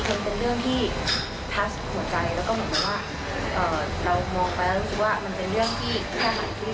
เรื่องราวเศรษฐศาสตร์ก็ไม่ว่ามีเลยค่ะ